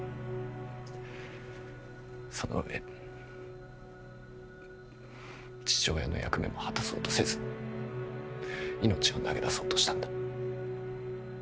その上父親の役目も果たそうとせず命を投げ出そうとしたんだ。